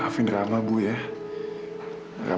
gak ada apa apa